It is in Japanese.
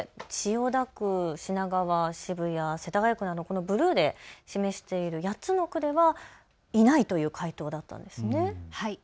一方で千代田区、品川、渋谷、世田谷区のこのブルーで示している８つの区ではいないという回答だったんですね。